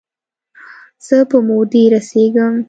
زه په مودې رسیږم